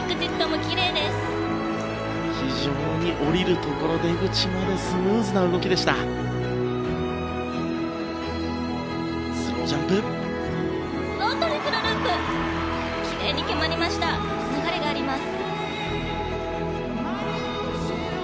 きれいに決まりました流れがあります！